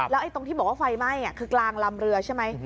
แล้วตรงที่บอกว่าไฟไหม้คือกลางลำเรือใช่ไหม